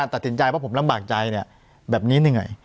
ตัดสินใจเพราะผมลำบากใจเนี้ยแบบนี้ที่ไหน